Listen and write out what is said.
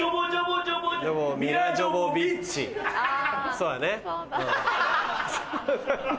そうだね。